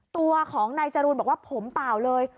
ตัวของนายจรูนบอกว่าผมเปล่าเลย